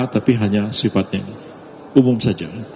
tapi hanya sifatnya umum saja